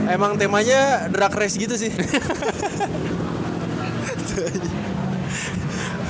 emang temanya drak race gitu sih